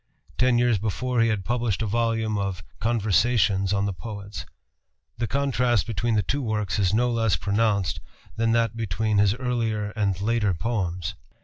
Ten years before he had published a volume of "Conversations on the Poets." The contrast between the two works is no less pronounced than that between his earlier and later poems.